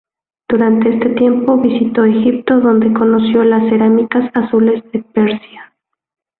Durante este tiempo visitó Egipto donde conoció las cerámicas azules de Persia.